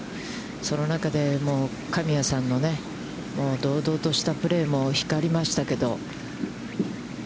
その中で、神谷さんの、堂々としたプレーも光りましたけど。